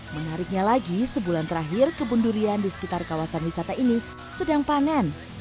menariknya lagi sebulan terakhir kebun durian di sekitar kawasan wisata ini sedang panen